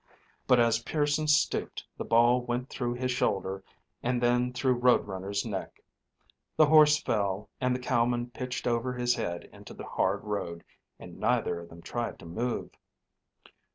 But as Pearson stooped the ball went through his shoulder and then through Road Runner's neck. The horse fell and the cowman pitched over his head into the hard road, and neither of them tried to move.